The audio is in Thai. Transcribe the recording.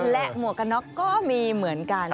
และหมวกกันน็อกก็มีเหมือนกัน